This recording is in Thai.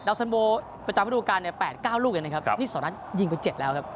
แล้วสันโบประจำประดูกการ๘๙ลูกยังไงครับนี่๒นัดยิงไป๗แล้วครับ